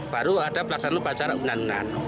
baru ada pelaksanaan acara unan unan